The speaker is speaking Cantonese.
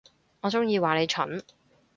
我中意話你蠢